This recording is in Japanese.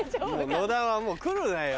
野田はもう来るなよ。